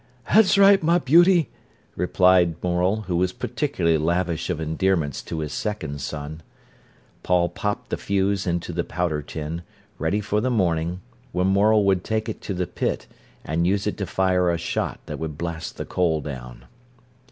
"That's right, my beauty," replied Morel, who was peculiarly lavish of endearments to his second son. Paul popped the fuse into the powder tin, ready for the morning, when Morel would take it to the pit, and use it to fire a shot that would blast the coal down.